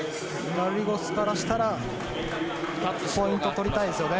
ガルリゴスからしたらポイントを取りたいですね。